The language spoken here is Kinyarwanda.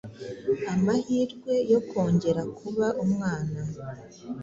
amahirwe yo kongera kuba umwana